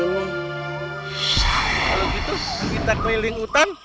kalau gitu kita keliling hutan